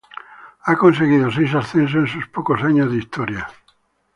Ha conseguido seis ascensos en sus pocos años de historia.